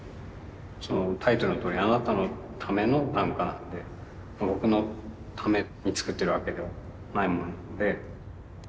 そのタイトルのとおり「あなたのための短歌」なので僕のために作ってるわけではないものなので。